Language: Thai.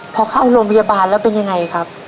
พอเข้าโรงพยาบาลแล้วเป็นยังไงครับ